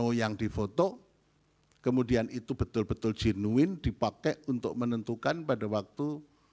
dan yang di foto kemudian itu betul betul jenuin dipakai untuk menentukan pada waktu